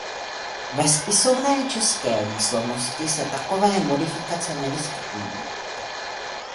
Ve spisovné české výslovnosti se takovéto modifikace nevyskytují.